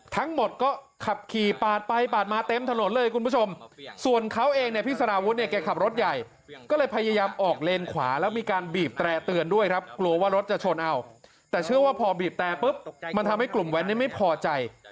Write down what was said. แต่เชื่อว่าพอบีบแต่ปุ๊บมันทำให้กลุ่มแว่นนี้ไม่พอใจ